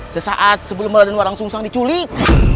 sesaat sebelum raden walang sungsang diculik